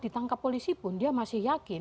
ditangkap polisi pun dia masih yakin